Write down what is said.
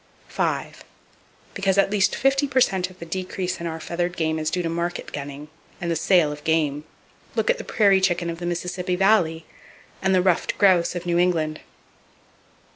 —Because at least 50 per cent of the decrease in our feathered game is due to market gunning, and the sale of game. Look at the prairie chicken of the Mississippi Valley, and the ruffed grouse of New England.